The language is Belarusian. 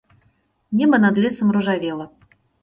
Неба над лесам ружавела.